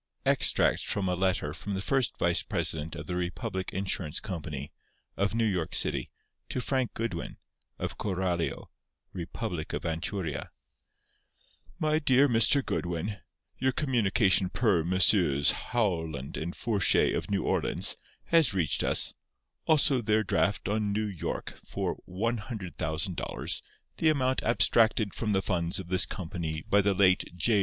_Extracts from a letter from the first vice president of the Republic Insurance Company, of New York City, to Frank Goodwin, of Coralio, Republic of Anchuria._ My Dear Mr. Goodwin:—Your communication per Messrs. Howland and Fourchet, of New Orleans, has reached us. Also their draft on N. Y. for $100,000, the amount abstracted from the funds of this company by the late J.